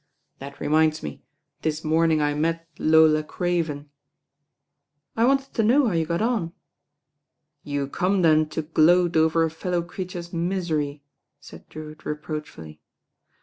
That re minds me, this morning I met Lola Craven. "I wanted to know how you got on.*' "You come then to gloat over a fellow creature*s misery," said Drewitt reproachfully.